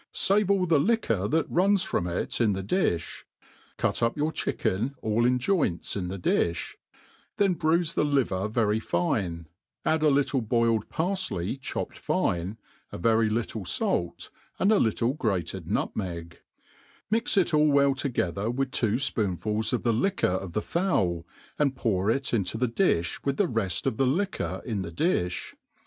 Save all the liquor that runs from it in the diih^ cut up your chicken all in joints in the di(h ; then bruife the liver very fine, add a little boiled parfley chopped fine, a very little fait, and a little grated nutmeg : mix it all well together with two fpoonfuls of the liquor of the fowl, and pour it into the diih with the reft of the liquor in the difh.